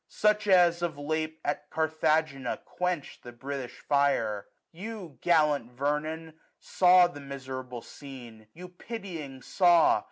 Such as, of late, at Carthagena quenchM 1040 The British fire. You, gallant Vernon ! saw The miserable scene ; you, pitying, saw.